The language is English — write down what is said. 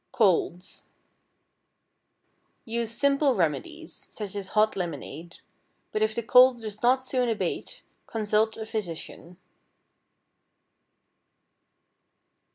=Colds.= Use simple remedies, such as hot lemonade, but if the cold does not soon abate, consult a physician.